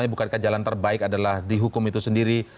bukan kejalanan terbaik adalah dihukum itu sendiri